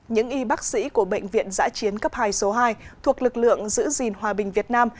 những y bác sĩ của bệnh viện giã chiến cấp hai số hai thuộc lực lượng giữ gìn hòa bình việt nam